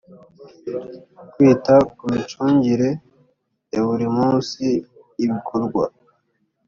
kwita ku micungire ya buri munsi y ibikorwa